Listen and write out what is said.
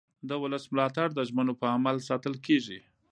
د ولس ملاتړ د ژمنو په عمل ساتل کېږي